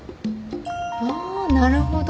ああなるほど。